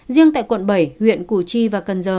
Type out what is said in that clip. riêng tại quận bảy huyện củ chi và cần giờ